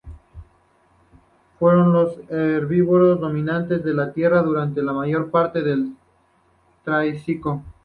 Fueron los herbívoros dominantes en la Tierra durante la mayor parte del Triásico.